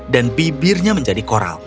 dan bibirnya menjadi koral